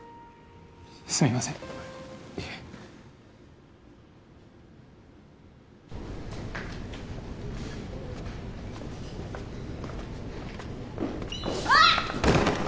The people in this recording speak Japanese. すみませんいえああっ！